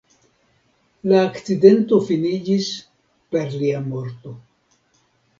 La akcidento finiĝis per lia morto.